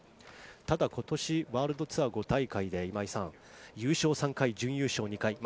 ただ今年ワールドツアー５大会で、今井さん、優勝３回、準優勝２回。